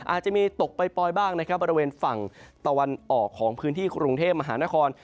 อาจจะมีตกปล่อยบ้างนะครับบริเวณฝั่งตะวันออกของพื้นที่กรุงเทพมหานคร